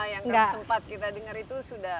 yang kan sempat kita dengar itu sudah